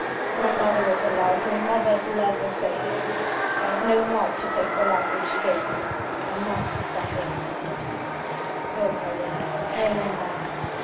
My mother is alive; my mother's love is sacred. I have no right to take the life which she gave me. I must suffer and submit. Oh, Helena! Helena!"